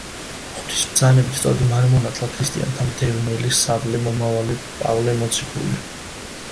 ღვთის ბრძანებით, სწორედ მან მონათლა ქრისტიანთა მდევნელი სავლე, მომავალი პავლე მოციქული.